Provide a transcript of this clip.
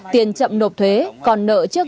tiền chậm nộp thuế còn nợ trước